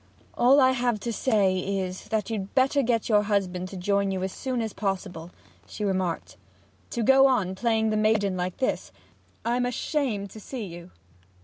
'All I have to say is, that you'd better get your husband to join you as soon as possible,' she remarked. 'To go on playing the maiden like this I'm ashamed to see you!'